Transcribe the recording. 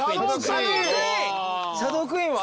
シャドークイーンは？